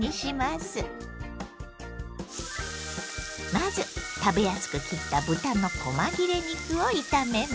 まず食べやすく切った豚のこま切れ肉を炒めます。